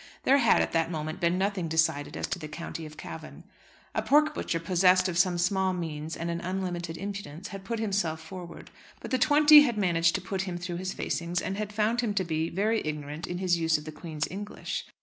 There had at that moment been nothing decided as to the County of Cavan. A pork butcher possessed of some small means and unlimited impudence had put himself forward. But The Twenty had managed to put him through his facings, and had found him to be very ignorant in his use of the Queen's English.